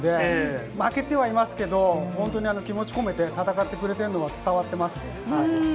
負けてはいますけど、気持ちを込めて戦ってくれているのは伝わっています。